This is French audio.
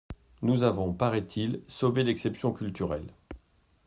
Nous avons, paraît-il, sauvé l’exception culturelle.